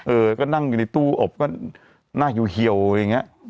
เออก็นั่งอยู่ในตู้อบก็หน้าเหี่ยวอะไรอย่างนี้